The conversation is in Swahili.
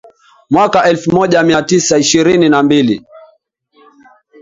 Mwaka elfu moja mia tisa ishirini na mbili